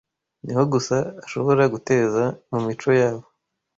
ni ho gusa ashobora guteza mu mico yabo